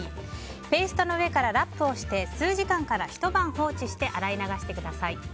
ペーストの上からラップをして数時間からひと晩放置して洗い流してください。